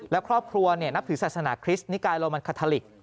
และครอบครัวนับถือศาสนาคริสต์นิกายโรมันคาทาลิก